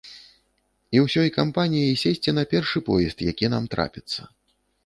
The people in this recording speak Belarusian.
І ўсёй кампаніяй сесці на першы поезд, які нам трапіцца.